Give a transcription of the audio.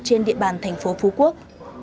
trên địa bàn thành phố phú quốc